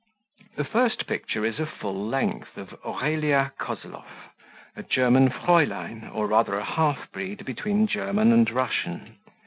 The first picture is a full length of Aurelia Koslow, a German fraulein, or rather a half breed between German and Russian.